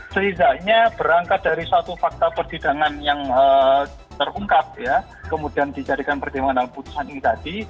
sehingga berangkat dari satu fakta persidangan yang terungkap ya kemudian dijadikan pertimbangan dalam putusan ini tadi